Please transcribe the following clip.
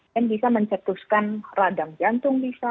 dan bisa mencetuskan radang jantung bisa